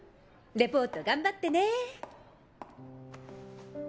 リポート頑張ってね。